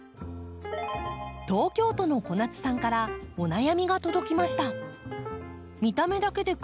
東京都の小夏さんからお悩みが届きました。